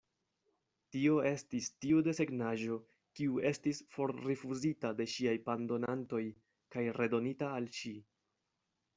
Tio estis tiu desegnaĵo, kiu estis forrifuzita de ŝiaj pandonantoj kaj redonita al ŝi.